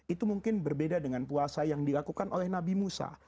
itu mungkin berbeda dengan puasa yang dilakukan oleh nabi musa